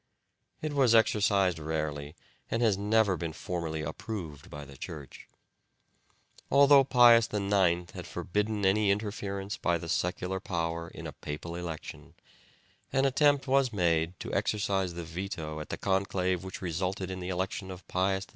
It was exercised rarely and has never been formally approved by the Church. Although Pius IX had forbidden any interference by the secular power in a papal election, an attempt was made to exercise the veto at the conclave which resulted in the election of Pius X.